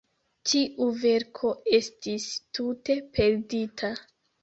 Tiu verko estis tute perdita!